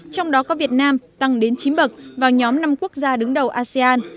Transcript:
trong đó có việt nam tăng đến chín bậc vào nhóm năm quốc gia đứng đầu asean